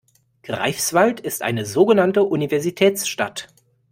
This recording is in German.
Greifswald ist eine sogenannte Universitätsstadt.